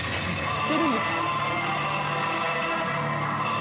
知ってるんですか？